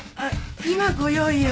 今ご用意を。